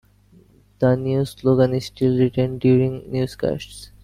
The news slogan is still retained during newscasts.